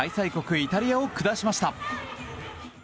イタリアを下しました。